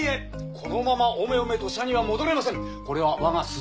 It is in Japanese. このままおめおめと社には戻れません。